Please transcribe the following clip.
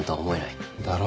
だろ？